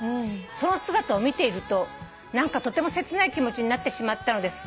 「その姿を見ていると何かとても切ない気持ちになってしまったのです」